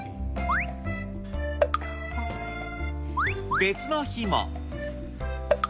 別の日も。